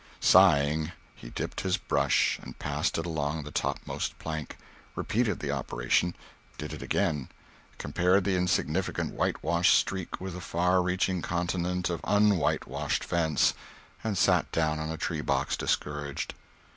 Sighing, he dipped his brush and passed it along the topmost plank; repeated the operation; did it again; compared the insignificant whitewashed streak with the far reaching continent of unwhitewashed fence, and sat down on a tree box discouraged.